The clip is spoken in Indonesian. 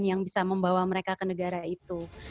yang bisa membawa mereka ke negara itu